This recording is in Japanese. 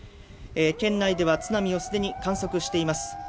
県内では津波を既に観測しています。